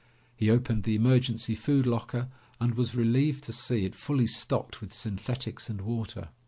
He opened the emergency food locker and was relieved to see it fully stocked with synthetics and water.